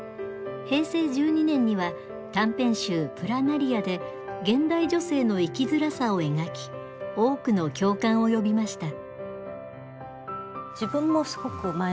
平成１２年には短編集「プラナリア」で現代女性の生きづらさを描き多くの共感を呼びました。